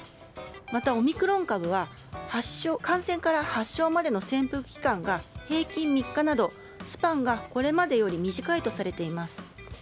またオミクロン株は感染から発症までの潜伏期間が平均３日など、スパンがこれまでより短いとされています。